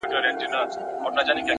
د حقیقت منل داخلي ازادي راولي.!